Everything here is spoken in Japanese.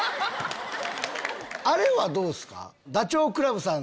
あれはどうっすか？